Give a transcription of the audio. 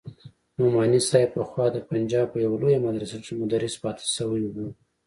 نعماني صاحب پخوا د پنجاب په يوه لويه مدرسه کښې مدرس پاته سوى و.